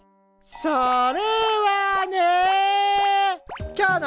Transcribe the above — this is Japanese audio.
それはね。